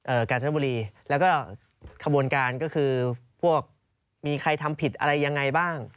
กาญจนบุรีแล้วก็ขบวนการก็คือพวกมีใครทำผิดอะไรยังไงบ้าง